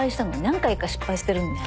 何回か失敗してるのね。